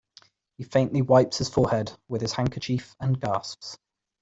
He faintly wipes his forehead with his handkerchief and gasps.